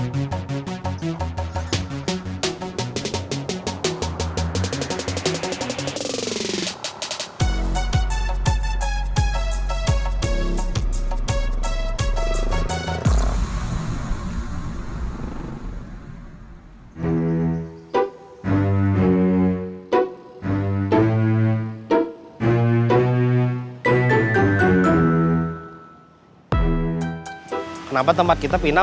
kenapa tempat kita pindah